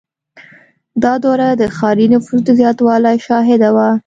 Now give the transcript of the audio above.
• دا دوره د ښاري نفوس د زیاتوالي شاهده وه.